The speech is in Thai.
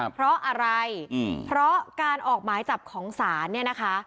เพราะอะไรเพราะการออกหมายจับของศาลเนี่ยนะคะ